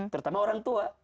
terutama orang tua